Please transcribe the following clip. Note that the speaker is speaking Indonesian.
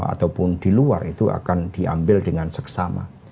ataupun di luar itu akan diambil dengan seksama